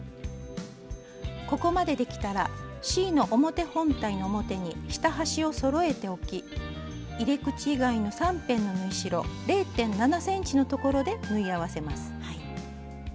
ここまでできたらＣの表本体の表に下端をそろえて置き入れ口以外の３辺の縫い代０．７ｃｍのところで縫い合わせます。